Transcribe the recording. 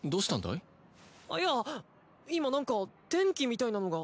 いや今なんか電気みたいなのが。